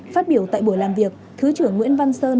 phát biểu tại buổi làm việc thứ trưởng nguyễn văn sơn